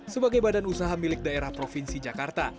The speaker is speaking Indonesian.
sebagai badan usaha milik daerah provinsi jakarta